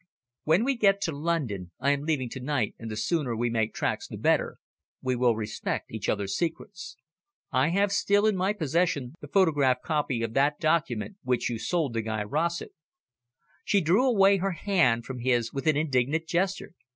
"When we get to London I am leaving to night, and the sooner we make tracks the better we will respect each other's secrets. I have still in my possession the photographed copy of that document which you sold to Guy Rossett." She drew away her hand from his with an indignant gesture.